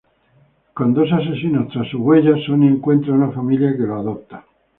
Con dos asesinos tras sus huellas, Sonny encuentra una familia que lo adopta.